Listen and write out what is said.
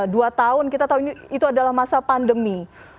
dua tahun kita tahu itu adalah masa pandemi